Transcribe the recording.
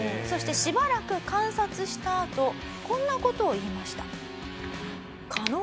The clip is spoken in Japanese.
そしてしばらく観察したあとこんな事を言いました。